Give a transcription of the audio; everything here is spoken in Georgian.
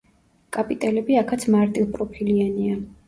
კაპიტელები აქაც მარტივპროფილიანია.